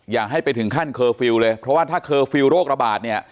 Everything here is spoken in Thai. อย่าให้ไปถึงขั้นเคอร์ฟิลล์เลยเพราะว่าถ้าเคอร์ฟิลล์โรคระบาดเนี่ย